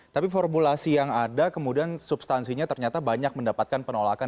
tapi formulasi yang ada kemudian substansinya ternyata banyak mendapatkan penolakan